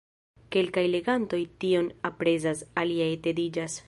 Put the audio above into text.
Kelkaj legantoj tion aprezas, aliaj tediĝas.